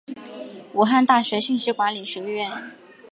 武汉大学信息管理学院